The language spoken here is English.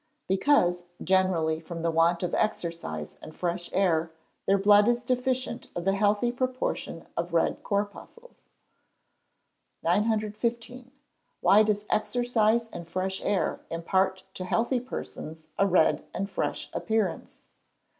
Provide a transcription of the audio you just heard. _ Because, generally from the want of exercise and fresh air, their blood is deficient of the healthy proportion of red corpuscles. 915. _Why does exercise and fresh air impart to healthy persons a red and fresh appearance?